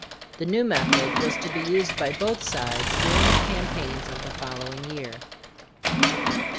The new method was to be used by both sides during the campaigns of the following year.